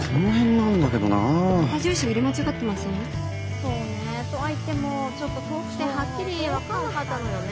そうねえ。とは言ってもちょっと遠くてはっきり分かんなかったのよね